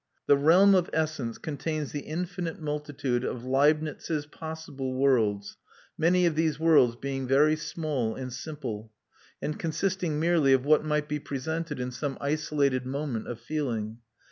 The realm of essence contains the infinite multitude of Leibnitz's possible worlds, many of these worlds being very small and simple, and consisting merely of what might be presented in some isolated moment of feeling.